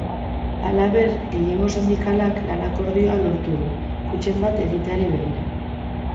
Halaber, gehiengo sindikalak lan akordioa lortu du, kutxen bat egiteari begira.